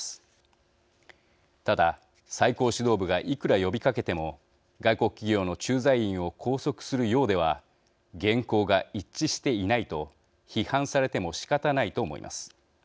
ただ最高指導部がいくら呼びかけても外国企業の駐在員を拘束するようでは言行が一致していないと批判されてもしかたないと思います。